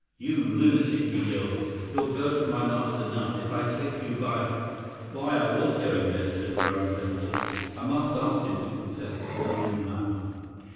"You lunatic," he yelled; "you'll go to my master now, if I take you by " "Why, I was going there," said Brown heavily; "I must ask him to confess, and all that."